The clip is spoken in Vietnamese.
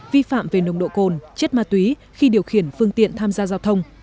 vi phạm về nồng độ cồn chất ma túy khi điều khiển phương tiện tham gia giao thông